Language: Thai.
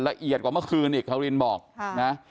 ละเอียดกว่าเมื่อคืนอีกคารินบอกนะ